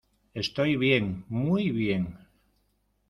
Estoy bien. Muy bien .